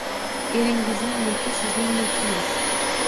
Eringizning mulki sizning mulkingiz.